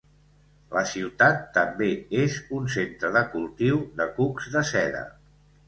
La ciutat també és un centre del cultiu de cucs de seda.